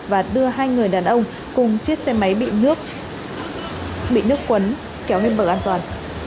và đưa hai người đàn ông cùng chiếc xe máy bị nước cuốn kéo lên bờ an toàn